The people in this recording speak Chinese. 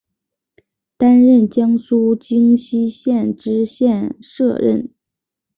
担任江苏荆溪县知县摄任。